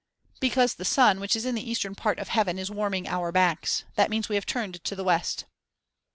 "Because the sun, which is in the eastern part of heaven, is warming our backs; that means we have turned to the west."